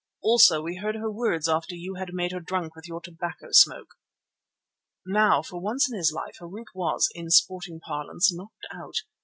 Also we heard her words after you had made her drunk with your tobacco smoke." Now for once in his life Harût was, in sporting parlance, knocked out.